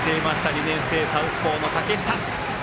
２年生サウスポーの竹下。